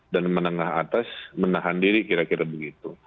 dan menengah atas menahan diri kira kira begitu